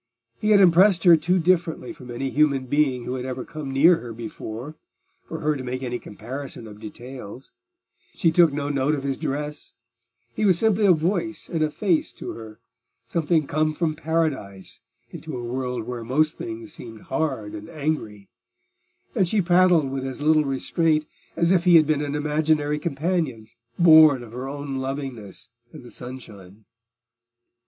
He had impressed her too differently from any human being who had ever come near her before, for her to make any comparison of details; she took no note of his dress; he was simply a voice and a face to her, something come from Paradise into a world where most things seemed hard and angry; and she prattled with as little restraint as if he had been an imaginary companion born of her own lovingness and the sunshine.